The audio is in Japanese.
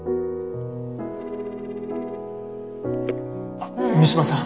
あっ三島さん。